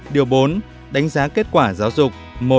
điều bốn đánh giá kết quả giáo dục